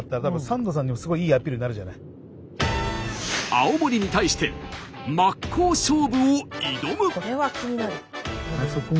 青森に対して真っ向勝負を挑む。